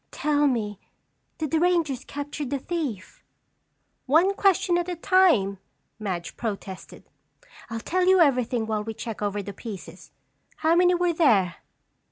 Tell me, did the rangers capture the thief?" "One question at a time," Madge protested. "I'll tell you everything while we check over the pieces. How many were there?"